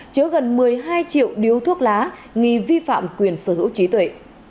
chứa gần một mươi hai triệu điếu thuốc lá nghi phạm quyền sở hữu trí tuệ